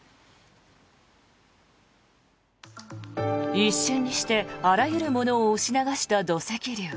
一瞬にしてあらゆるものを押し流した土石流。